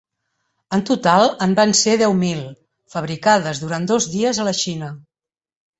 En total en van ser deu mil, fabricades durant dos dies a la Xina.